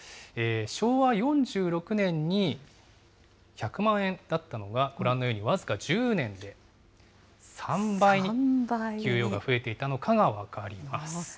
昭和４６年に１００万円だったのが、ご覧のように僅か１０年で３倍に、給与が増えていたのかが分かります。